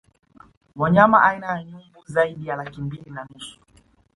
Wanyama aina ya Nyumbu zaidi ya laki mbili na nusu